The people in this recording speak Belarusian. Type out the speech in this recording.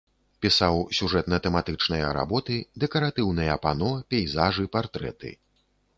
Пісаў сюжэтна-тэматычныя работы, дэкаратыўныя пано, пейзажы, партрэты.